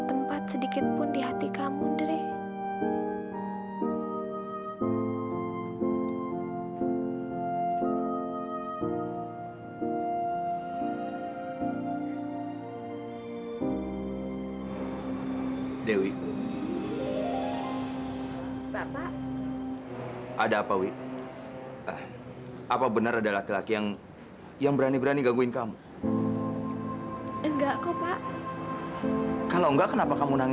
sampai jumpa di video selanjutnya